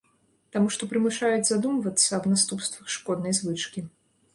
Таму што прымушаюць задумвацца аб наступствах шкоднай звычкі.